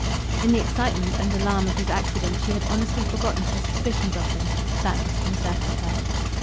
In the excitement and alarm of his accident she had honestly forgotten her suspicions of him. That disconcerted her.